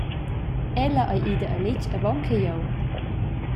Ella ei ida a letg avon che jeu.